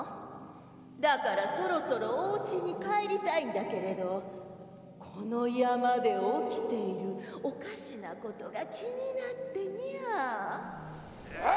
だからそろそろおうちに帰りたいんだけれどこの山で起きているおかしなことが気になってニャ。